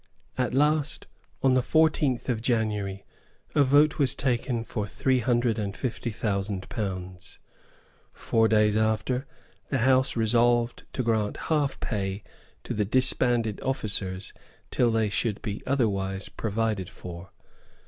At last, on the fourteenth of January, a vote was taken for three hundred and fifty thousand pounds. Four days later the House resolved to grant half pay to the disbanded officers till they should be otherwise provided for.